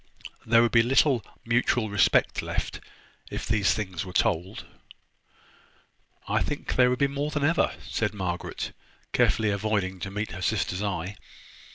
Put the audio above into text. There would be little mutual respect left if these things were told." "I think there would be more than ever," said Margaret, carefully avoiding to meet her sister's eye.